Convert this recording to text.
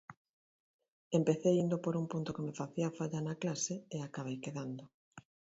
Empecei indo por un punto que me facía falla na clase e acabei quedando.